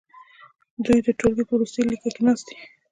دوی د ټوولګي په وروستي لیکه کې ناست دي.